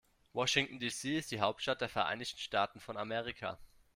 Washington, D.C. ist die Hauptstadt der Vereinigten Staaten von Amerika.